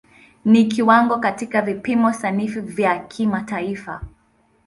Ni kiwango katika vipimo sanifu vya kimataifa.